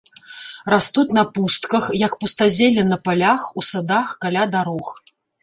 Растуць на пустках, як пустазелле на палях, у садах, каля дарог.